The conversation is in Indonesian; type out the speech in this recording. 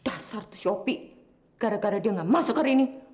dasar shopee gara gara dia nggak masuk hari ini